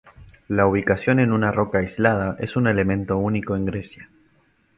La ubicación en una roca aislada es un elemento único en Grecia.